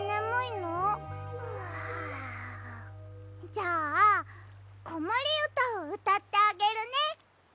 じゃあこもりうたをうたってあげるね！